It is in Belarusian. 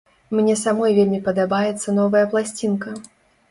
Мне самой вельмі падабаецца новая пласцінка.